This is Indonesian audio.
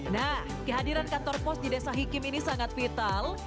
nah kehadiran kantor pos di desa hikim ini sangat vital